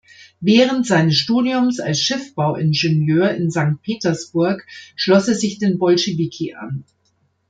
Während seines Studiums als Schiffbauingenieur in Sankt Petersburg schloss er sich den Bolschewiki an.